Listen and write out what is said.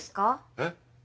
えっ。